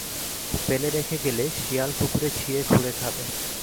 ফেলে রেখে গেলে শিয়াল-কুকুরে ছিঁড়ে খুঁড়ে খাবে।